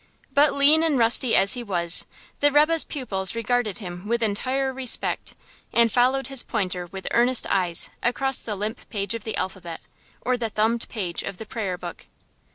But lean and rusty as he was, the rebbe's pupils regarded him with entire respect, and followed his pointer with earnest eyes across the limp page of the alphabet, or the thumbed page of the prayer book.